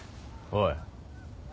おい。